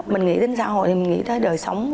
mình nghĩ đến xã hội thì mình nghĩ tới đời sống